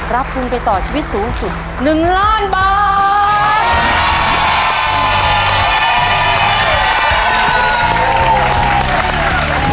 รับทุนไปต่อชีวิตสูงสุด๑ล้านบาท